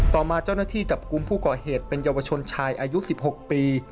ต่อมาเจ้าหน้าที่จับกลุ่มผู้ก่อเหตุเป็นเยาวชนชายอายุ๑๖ปี